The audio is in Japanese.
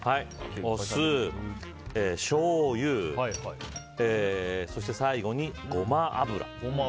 しょうゆ、そして最後にゴマ油。